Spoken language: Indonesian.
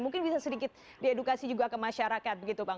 mungkin bisa sedikit diedukasi juga kemasyarakat begitu bang